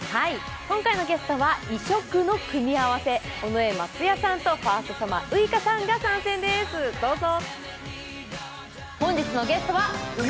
今回のゲストは異色の組み合わせ、尾上松也さんとファーストサマーウイカさんが参戦です、どうぞ。